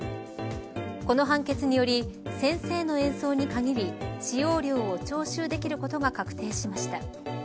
この判決により先生の演奏に限り使用料を徴収できることが確定しました。